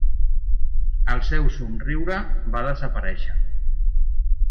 El seu somriure va desaparèixer.